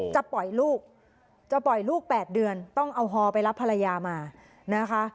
จะปล่อยลูก๘เดือนต้องเอาฮอไปรับภรรยามานะคะ